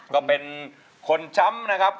ก็เป็นคนช้ำนะครับ